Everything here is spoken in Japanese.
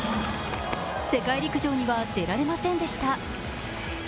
世界陸上には出られませんでした。